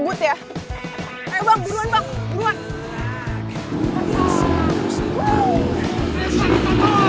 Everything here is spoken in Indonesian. butuh kejar motor yang di depan sana ya